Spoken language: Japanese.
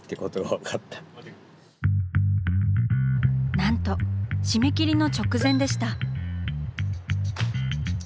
何と締め切りの直前でした。